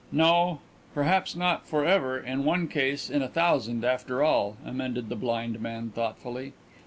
"No; perhaps not 'for ever' in one case in a thousand, after all," amended the blind man thoughtfully.